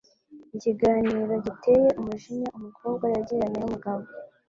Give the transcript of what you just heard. Ikiganiro giteye umujinya umukobwa yagiranye n'umugabo